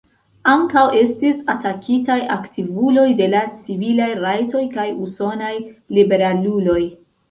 Ankaŭ estis atakitaj aktivuloj de la civilaj rajtoj kaj usonaj liberaluloj.